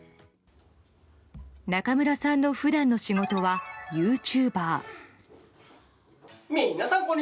中村さんの普段の仕事はユーチューバー。